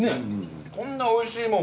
こんなおいしいもん